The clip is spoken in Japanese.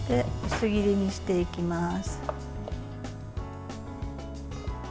薄切りにしていきます。